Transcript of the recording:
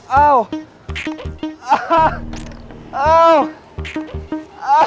batu batu jadi orang